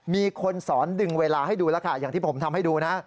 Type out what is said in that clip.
มีคนสอนดึงเวลาให้ดูแล้วค่ะอย่างที่ผมทำให้ดูนะ